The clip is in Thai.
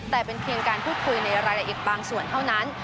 แต่เป็นเพียงการพูดคุยในรายละเอียดบางส่วนเท่านั้น